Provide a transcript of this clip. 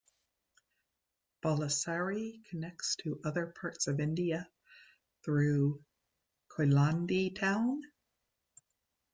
Balussery connects to other parts of India through Koyilandy town.